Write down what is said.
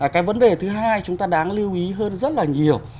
cái vấn đề thứ hai chúng ta đáng lưu ý hơn rất là nhiều